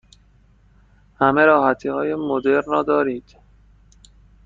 همه راحتی های مدرن را دارید؟